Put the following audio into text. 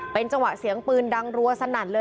เป็นจังหวะเสียงปืนดังรัวสนั่นเลย